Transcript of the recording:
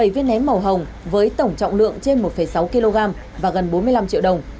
bảy viên nén màu hồng với tổng trọng lượng trên một sáu kg và gần bốn mươi năm triệu đồng